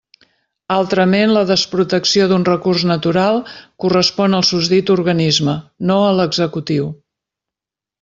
Altrament, la desprotecció d'un recurs natural correspon al susdit organisme, no a l'executiu.